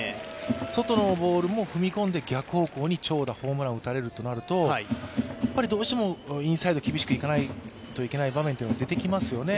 外のボールも踏み込んで逆方向に長打、ホームランを打たれるとなるとどうしてもインサイド厳しくいかないといけない場面というのが出てきますよね。